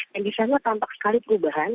dan disana tampak sekali perubahan